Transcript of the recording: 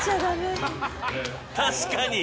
確かに！